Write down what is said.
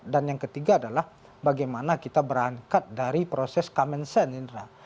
dan yang ketiga adalah bagaimana kita berangkat dari proses common sense indra